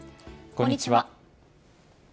こんにちは。